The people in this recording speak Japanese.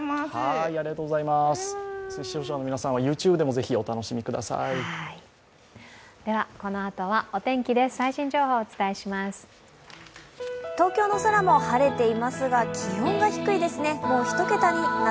視聴者の皆さんはＹｏｕＴｕｂｅでもぜひお楽しみください。